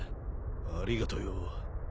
ありがとよ。